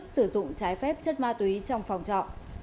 sử dụng trái phép chất ma túy trong phòng trọ